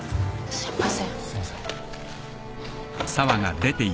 すいません。